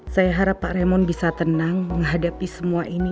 saya harap pak remon bisa tenang menghadapi semua ini